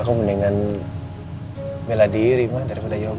aku mendingan bela diri ma daripada yoga